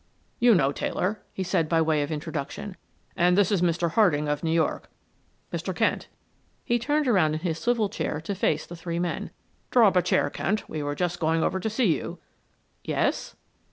"You know Taylor," he said by way of introduction. "And this is Mr. Harding of New York Mr. Kent," he turned around in his swivel chair to face the three men. "Draw up a chair, Kent; we were just going over to see you. "Yes?"